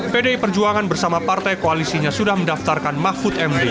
pdi perjuangan bersama partai koalisinya sudah mendaftarkan mahfud md